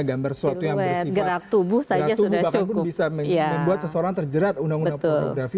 gambar suatu yang bersifat tubuh bahkan pun bisa membuat seseorang terjerat undang undang pornografi